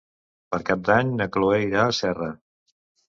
Per Cap d'Any na Cloè irà a Serra.